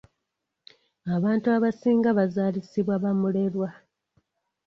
Abantu abasinga bazaalisibwa ba mulerwa.